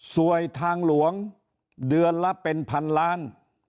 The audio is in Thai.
สวยทางหลวงเดือนละเป็นพันล้าน